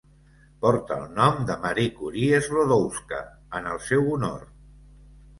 Porta eI nom de Marie Curie-Sklodowska en el seu honor.